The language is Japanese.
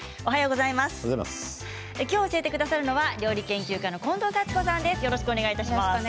今日教えてくださるのは料理研究家の近藤幸子さんです。